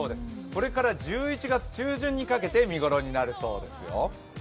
これから１１月中旬にかけて見頃になるそうですよ。